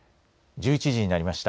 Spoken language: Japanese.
１１時になりました。